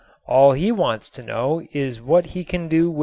All he wants to know is what he can do with it.